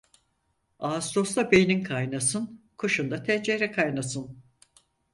Ağustosta beynin kaynasın, kışın da tencere kaynasın.